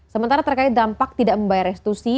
sementara terkait dampak tidak membayar restitusi